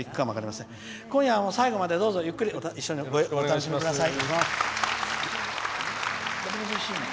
今夜も最後まで、一緒にゆっくりお楽しみください。